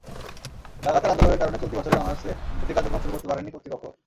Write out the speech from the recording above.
লাগাতার আন্দোলনের কারণে চলতি বছরের অনার্সে ভর্তি কার্যক্রম শুরু করতে পারেনি কর্তৃপক্ষ।